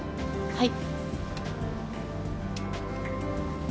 はい。